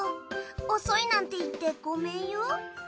遅いなんて言ってごめんよ。